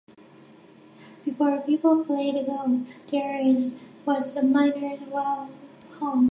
Before people played golf there it was the Miners' Welfare Hall.